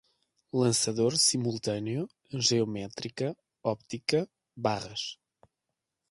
lançador, simultâneo, geométrica, óptica, barras